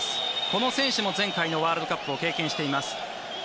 この選手も前回のワールドカップを経験しています。